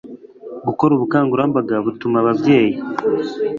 gukora ubukangurambaga butuma ababyeyi